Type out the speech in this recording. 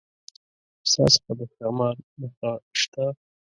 ستا څخه د ښامار نخښه شته؟